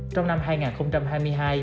trong năm hai nghìn hai mươi hai